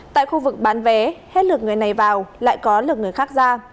tại khu vực bán vé hết lượng người này vào lại có lượng người khác ra